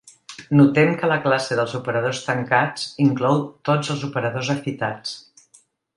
Notem que la classe dels operadors tancats inclou tots els operadors afitats.